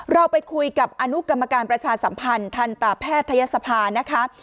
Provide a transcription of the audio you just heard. เราไปคุยกับอนุปรัชาสัมพันธ์ทันตแพทยสภานะคะ